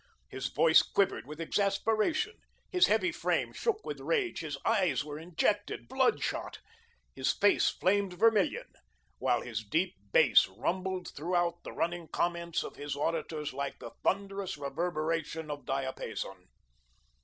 His voice quivered with exasperation; his heavy frame shook with rage; his eyes were injected, bloodshot; his face flamed vermilion, while his deep bass rumbled throughout the running comments of his auditors like the thunderous reverberation of diapason.